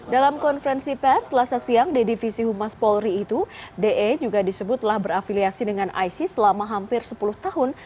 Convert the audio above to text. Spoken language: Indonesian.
dalam konferensi pers selasa siang di divisi humas polri itu de juga disebut telah berafiliasi dengan isis selama hampir sepuluh tahun